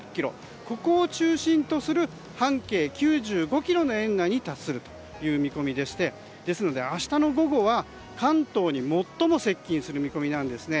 ここを中心とする半径９５ｋｍの円に達する見込みで明日の午後は関東に最も接近する見込みなんです。